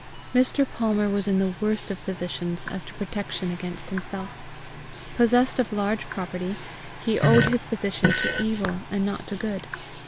Mr. Palmer was in the worst of positions as to protection against himself. Possessed of large property, he owed his position to evil and not to good.